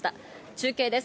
中継です。